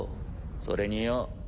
それによ